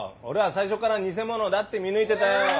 俺は最初から偽物だって見抜いてたよ。